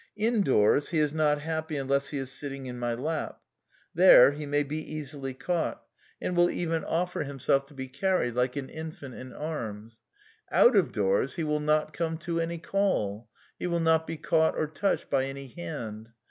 In doors, he is not happy unless he is sitting in my lap. There he may be easily caught, and will even offer him SOME QUESTIONS OF PSYCHOLOGY 97 self to be carried like an infant in arms. Out of doors he will not come to any call; he will not be caught or^ touched by any hand.